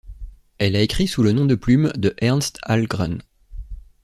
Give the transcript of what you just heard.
Elle a écrit sous le nom de plume de Ernst Ahlgren.